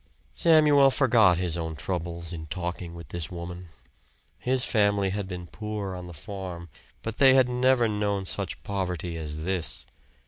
Samuel forgot his own troubles in talking with this woman. His family had been poor on the farm, but they had never known such poverty as this.